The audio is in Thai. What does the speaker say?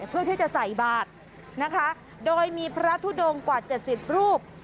เพื่อที่จะใส่บาทนะคะโดยมีพระทุดงกว่า๗๐รูป